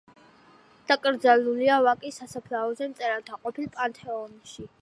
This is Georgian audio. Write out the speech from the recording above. დაკრძალულია ვაკის სასაფლაოზე, მწერალთა ყოფილ პანთეონში.